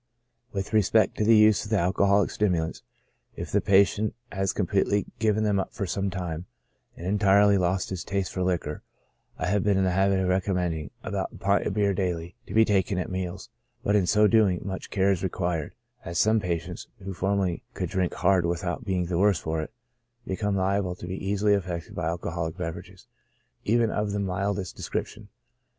With respect to the use of alcoholic stimulants, if the pa tient has completely given them up for some time, and en tirely lost his taste for liquor, I have been in the habit of recommending about a pint of bitter beer daily, to be taken at meals ; but in so doing much care is required, as some patients, who formerly could drink hard without being the worse for it, become liable to be easily affected by alcoholic TREATMENT. 77 beverages, even of the mildest description.